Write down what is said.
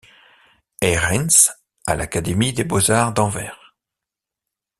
Herreyns à l'académie des beaux-arts d'Anvers.